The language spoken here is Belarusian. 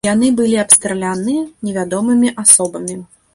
Яны былі абстраляныя невядомымі асобамі.